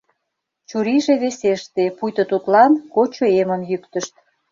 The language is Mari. Чурийже весеште, пуйто тудлан кочо эмым йӱктышт.